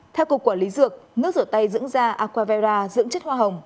theo cục quản lý dược nước rửa tay dưỡng da aquavera dưỡng chất hoa hồng